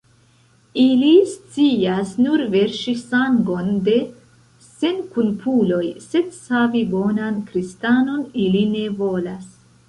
Ili scias nur verŝi sangon de senkulpuloj, sed savi bonan kristanon ili ne volas!